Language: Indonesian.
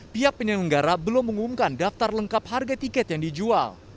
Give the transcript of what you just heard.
pihak penyelenggara belum mengumumkan daftar lengkap harga tiket yang dijual